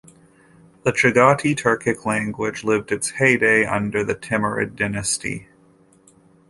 The Chagatai Turkic language lived its heyday under the Timurid dynasty.